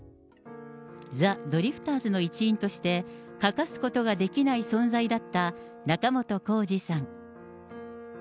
ザ・ドリフターズの一員として、欠かすことができない存在だった仲本工事さん。